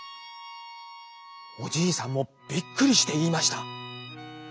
おじいさんもびっくりしていいました。